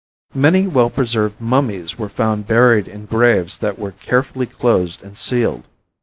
Many well preserved mummies were found buried in graves that were carefully closed and sealed.